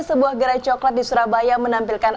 sebuah gerai coklat di surabaya menampilkan